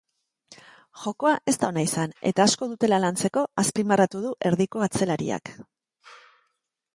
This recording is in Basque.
Jokoa ez da ona izan eta asko dutela lantzeko azpimarratu du erdiko atzelariak.